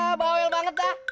ah bawel banget ya